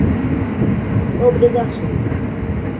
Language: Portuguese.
obrigações